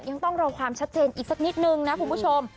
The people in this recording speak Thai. ยังต้องรอความชัดเจนอีกสักนิดนึงนะคุณผู้ชม